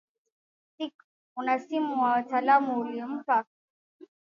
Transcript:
sic unasimu wataalamu ulimpa